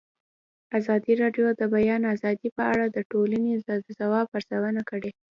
ازادي راډیو د د بیان آزادي په اړه د ټولنې د ځواب ارزونه کړې.